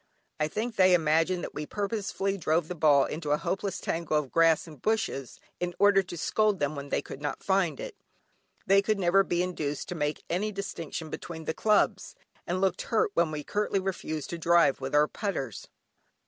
I think they imagined that we purposely drove the ball into a hopeless tangle of grass and bushes in order to scold them when they could not find it. They could never be induced to make any distinction between the clubs, and looked hurt when we curtly refused to drive with our putters.